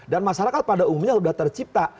masyarakat pada umumnya sudah tercipta